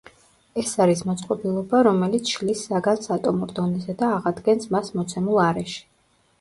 ეს არის მოწყობილობა რომელიც შლის საგანს ატომურ დონეზე და აღადგენს მას მოცემულ არეში.